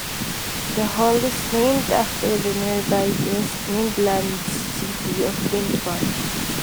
The hall is named after the nearby East Midlands city of Lincoln.